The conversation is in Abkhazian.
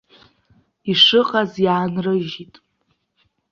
Ишыҟаз иаанрыжьит.